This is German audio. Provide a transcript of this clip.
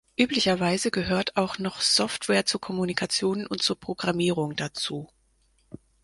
Üblicherweise gehört auch noch Software zur Kommunikation und zur Programmierung dazu.